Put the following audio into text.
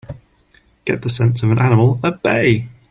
Get the sense of an animal at bay!